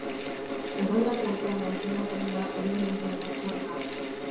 Horrelakoetan antzematen da elementuen aztarna.